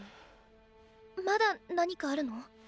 まだ何かあるの？